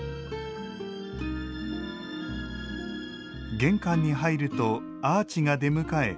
玄関に入るとアーチが出迎え